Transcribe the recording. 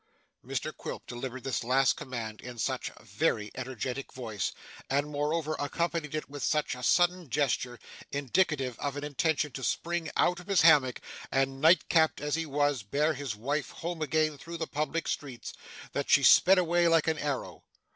Mr Quilp delivered this last command in such a very energetic voice, and moreover accompanied it with such a sudden gesture, indicative of an intention to spring out of his hammock, and, night capped as he was, bear his wife home again through the public streets, that she sped away like an arrow.